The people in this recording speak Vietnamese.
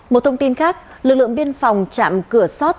một thông tin khác lực lượng biên phòng trạm cửa sót